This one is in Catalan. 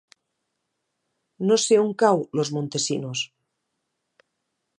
No sé on cau Los Montesinos.